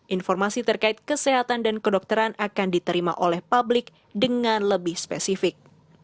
informasi terkait kesehatan dan kedokteran akan diterima oleh publik dengan lebih spesifik